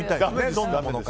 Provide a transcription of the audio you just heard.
どんなものか。